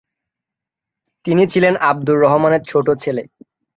তিনি ছিলেন আব্দুর রহমানের ছোট ছেলে।